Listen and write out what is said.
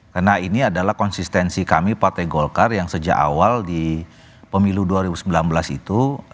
karena ini adalah konsistensi kami partai golkar yang sejak awal di pemilu dua ribu sembilan belas itu